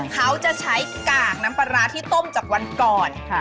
เขาจะใช้กากน้ำปลาร้าที่ต้มจากวันก่อน